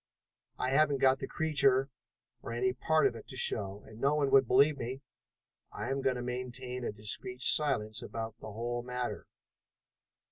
"I haven't got the creature or any part of it to show, and no one would believe me. I am going to maintain a discreet silence about the whole matter."